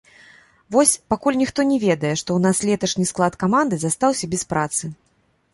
Вось, пакуль ніхто не ведае, што ў нас леташні склад каманды застаўся без працы.